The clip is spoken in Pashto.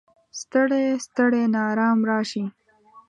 ستړی، ستړی ناارام راشي